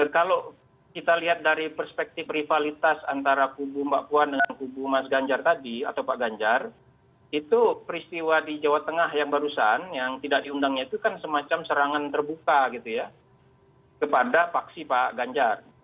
kalau kita lihat dari perspektif rivalitas antara kubu mbak puan dengan kubu mas ganjar tadi atau pak ganjar itu peristiwa di jawa tengah yang barusan yang tidak diundangnya itu kan semacam serangan terbuka gitu ya kepada paksi pak ganjar